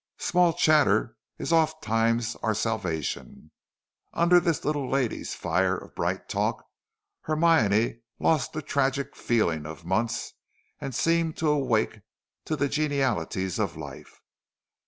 Small chatter is ofttimes our salvation. Under this little lady's fire of bright talk Hermione lost the tragic feelings of months and seemed to awake to the genialities of life.